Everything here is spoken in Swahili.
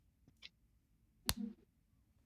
juu ya mada kuanzia ndoa za watu wa jinsia moja hadi